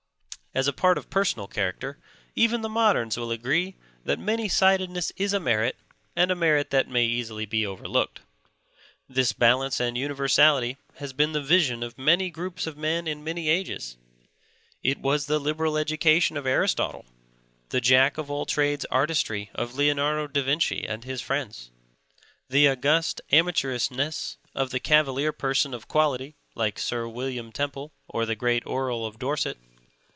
As a part of personal character, even the moderns will agree that many sidedness is a merit and a merit that may easily be overlooked. This balance and universality has been the vision of many groups of men in many ages. It was the Liberal Education of Aristotle; the jack of all trades artistry of Leonardo da Vinci and his friends; the august amateurishness of the Cavalier Person of Quality like Sir William Temple or the great Earl of Dorset.